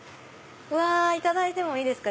いただいてもいいですか？